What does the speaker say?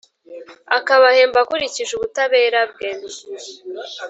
akabahemba akurikije ubutabera bwe.